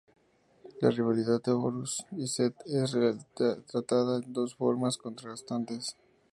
La rivalidad de Horus y Seth es retratada en dos formas contrastantes.